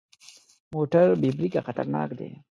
موټر بې بریکه خطرناک دی.